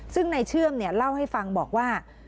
ซึ่งในเชื่อมเล่าให้ฟังบอกว่า